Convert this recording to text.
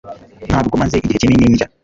Ntabwo maze igihe kinini ndya.